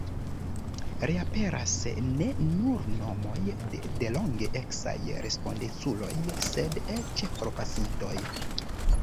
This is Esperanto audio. Reaperas ne nur nomoj de delonge eksaj respondeculoj, sed eĉ forpasintoj.